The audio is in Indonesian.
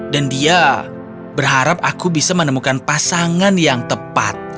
dan dia berharap aku bisa menemukan pasangan yang tepat